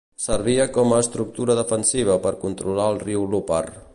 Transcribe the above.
Servia com a estructura defensiva per controlar el riu Lupar.